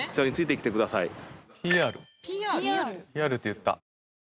ＰＲって言った。